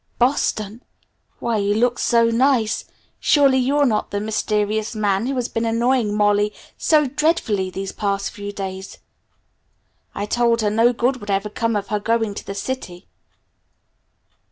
"Boston? Why you look so nice surely you're not that mysterious man who has been annoying Mollie so dreadfully these past few days. I told her no good would ever come of her going to the city."